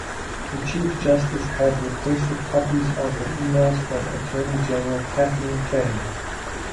The Chief Justice had requested copies of the emails from Attorney General Kathleen Kane.